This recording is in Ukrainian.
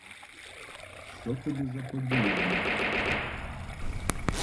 Що тобі заподіяв я?